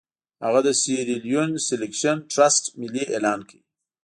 هغه د سیریلیون سیلکشن ټرست ملي اعلان کړ.